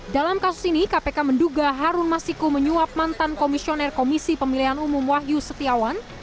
dalam kasus ini kpk menduga harun masiku menyuap mantan komisioner komisi pemilihan umum wahyu setiawan